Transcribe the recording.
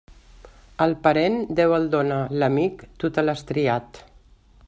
El parent, Déu el dóna; l'amic, tu te l'has triat.